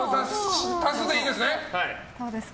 足すでいいですね。